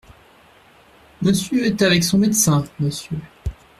Monsieur est avec son médecin, Monsieur.